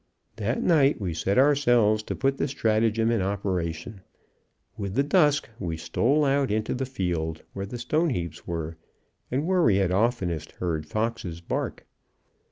That night we set ourselves to put the stratagem in operation. With the dusk we stole out into the field where the stone heaps were, and where we had oftenest heard foxes bark.